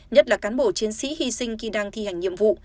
nhất là cán bộ chiến sĩ hy sinh khi đang thi hành nhiệm vụ